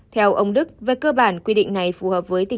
theo ông đức với cơ bản quy định này phù hợp với các cơ sở giáo dục